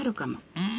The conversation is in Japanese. うん！